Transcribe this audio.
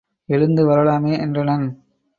எழுந்து வரலாமே என்றனன்.